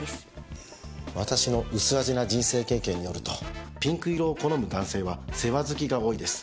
私の薄味な人生経験によるとピンク色を好む男性は世話好きが多いです。